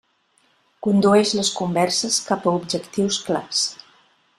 Condueix les converses cap a objectius clars.